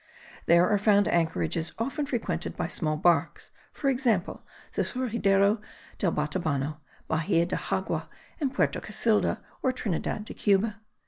There are found anchorages often frequented by small barks; for example, the Surgidero del Batabano, Bahia de Xagua, and Puerto Casilda, or Trinidad de Cuba.